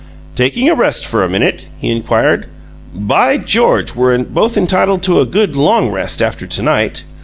"Taking a rest for a minute?" he inquired. "By George! we're both entitled to a good LONG rest, after to night!